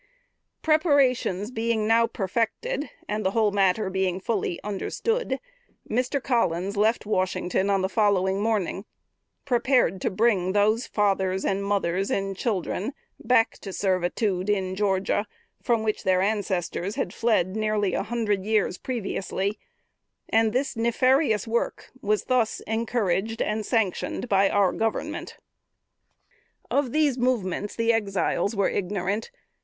Preparations being now perfected, and the whole matter being fully understood, Mr. Collins left Washington on the following morning, prepared to bring those fathers, and mothers, and children, back to servitude in Georgia, from which their ancestors had fled nearly a hundred years previously; and this nefarious work was thus encouraged and sanctioned by our Government. Of these movements the Exiles were ignorant.